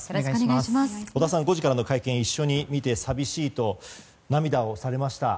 織田さん、５時からの会見一緒に見て寂しいと涙をされました。